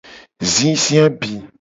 Zizi abi.